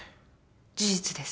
事実です。